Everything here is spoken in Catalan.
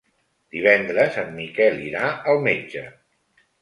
Divendres en Miquel irà al metge.